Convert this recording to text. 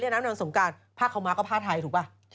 เล่นน้ำน้ำสงการผ้าเขามาก็ผ้าไทยถูกป่ะ